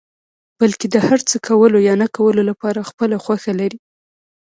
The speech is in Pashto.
بلکې د هر څه کولو يا نه کولو لپاره خپله خوښه لري.